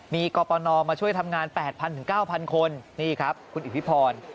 มีกรปนมาช่วยทำงาน๘๐๐๙๐๐คนนี่ครับคุณอิทธิพร